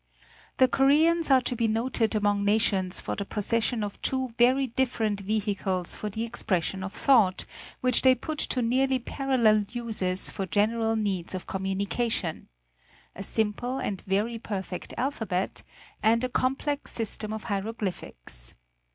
TueE Koreans are to be noted among nations for the possession of two very different vehicles for the expression of thought, which they put to nearly parallel uses for general needs of com munication : a simple and very perfect alphabet, and a complex system of hieroglyphics.